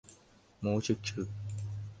หมูฉึกฉึก